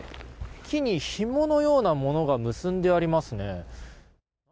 木にひものようなものが結んでありますね。